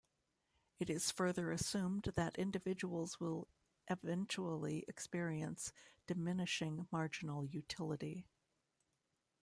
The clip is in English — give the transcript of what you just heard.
It is further assumed that individuals will eventually experience diminishing marginal utility.